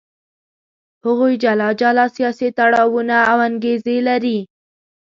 هغوی جلا جلا سیاسي تړاوونه او انګېزې لري.